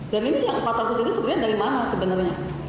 dan ini yang empat ratus ribu sebenarnya dari mana sebenarnya